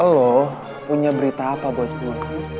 lu punya berita apa buat gue